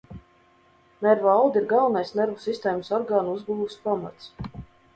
Nervu audi ir galvenais nervu sistēmas orgānu uzbūves pamats.